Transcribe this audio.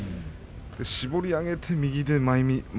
絞り上げて右手前